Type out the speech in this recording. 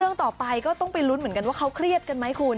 เรื่องต่อไปก็ต้องไปลุ้นเหมือนกันว่าเขาเครียดกันไหมคุณ